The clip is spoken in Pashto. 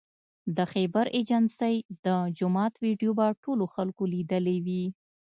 د خیبر ایجنسۍ د جومات ویدیو به ټولو خلکو لیدلې وي